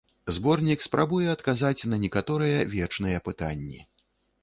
Зборнік спрабуе адказаць на некаторыя вечныя пытанні.